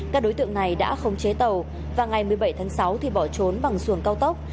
các đối tượng này đã khống chế tàu và ngày một mươi bảy tháng sáu thì bỏ trốn bằng xuồng cao tốc